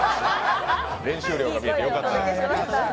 練習量が見えて良かったです。